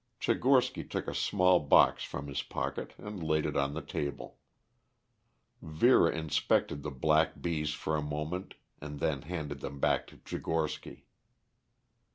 Tchigorsky took a small box from his pocket and laid it on the table. Vera inspected the black bees for a moment and then handed them back to Tchigorsky.